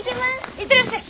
行ってらっしゃい。